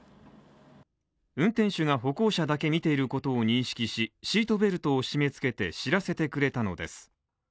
運転手が歩行者だけ見ていることを認識し、シートベルトを締めつけて知らせてくれたのです。